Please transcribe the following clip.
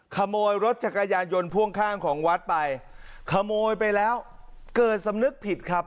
ขโมยรถจักรยานยนต์พ่วงข้างของวัดไปขโมยไปแล้วเกิดสำนึกผิดครับ